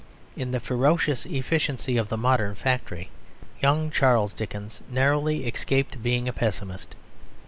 In the ferocious efficiency of the modern factory young Charles Dickens narrowly escaped being a pessimist.